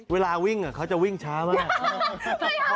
เวลาวิ่งเขาจะวิ่งช้ามาก